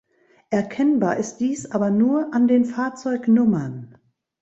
Erkennbar ist dies aber nur an den Fahrzeugnummern.